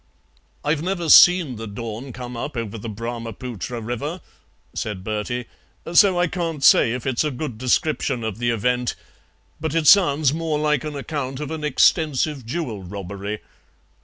'" "I've never seen the dawn come up over the Brahma putra river," said Bertie, "so I can't say if it's a good description of the event, but it sounds more like an account of an extensive jewel robbery.